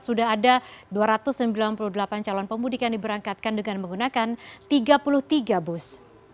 sudah ada dua ratus sembilan puluh delapan calon pemudik yang diberangkatkan dengan menggunakan tiga puluh tiga bus